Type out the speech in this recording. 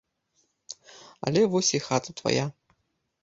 Але вось і хата твая.